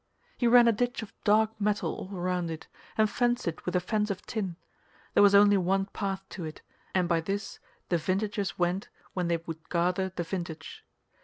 He ran a ditch of dark metal all round it, and fenced it with a fence of tin; there was only one path to it, and by this the vintagers went when they would gather the vintage.